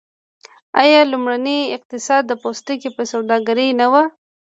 آیا لومړنی اقتصاد د پوستکي په سوداګرۍ نه و؟